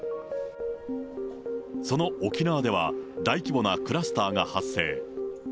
その沖縄では、大規模なクラスターが発生。